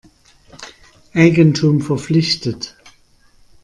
Eigentum verpflichtet.